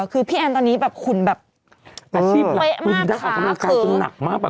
คือพี่แอนตอนนี้แบบหุ่นแบบเวะมากค่ะ